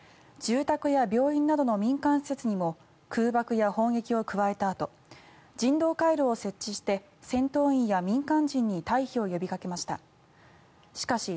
住宅や病院などの民間施設にも空爆や砲撃を加えたあと人道回廊を設置して戦闘員や民間人に退避を呼びかけました。